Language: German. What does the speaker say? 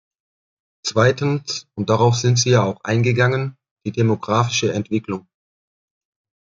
Zweitens, und darauf sind Sie ja auch eingegangen, die demographische Entwicklung.